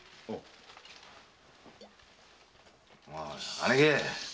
姉貴！